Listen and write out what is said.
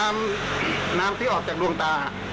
น้ำที่ออกจากดวงตา